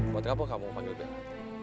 buat apa kamu panggil bella